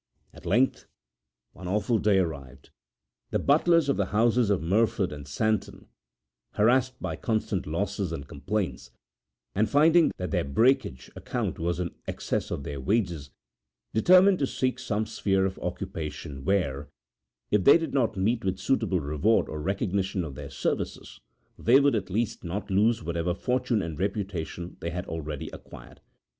At length one awful day arrived. The butlers of the houses of Merford and Santon, harassed by constant losses and complaints, and finding that their breakage account was in excess of their wages, determined to seek some sphere of occupation where, if they did not meet with a suitable reward or recognition of their services, they would, at least, not lose whatever fortune and reputation they had already acquired.